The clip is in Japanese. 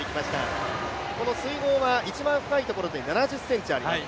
この水濠は一番深いところで７０ｃｍあります。